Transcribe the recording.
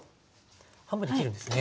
半分に切るんですね。